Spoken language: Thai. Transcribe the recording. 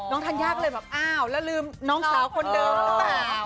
ธัญญาก็เลยแบบอ้าวแล้วลืมน้องสาวคนเดิมหรือเปล่า